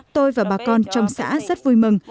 tôi và bà con trong xã rất vui mừng